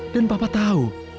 dan papa tahu